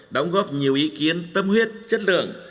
đóng góp nhiều ý kiến tâm huyết chất lượng